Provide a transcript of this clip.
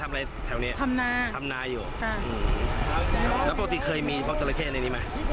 แฟนใบเมียตน้ำเป็นอาจารย์แต่ไม่เคยเห็น